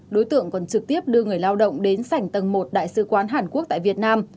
đối tượng còn trực tiếp đưa người lao động đến sảnh tầng một đại sứ quán hàn quốc tại việt nam